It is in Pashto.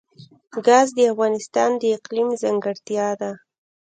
ګاز د افغانستان د اقلیم ځانګړتیا ده.